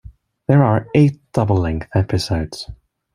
There are eight double-length episodes.